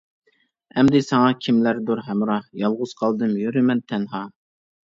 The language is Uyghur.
ئەمدى ساڭا كىملەردۇر ھەمراھ، يالغۇز قالدىم يۈرىمەن تەنھا.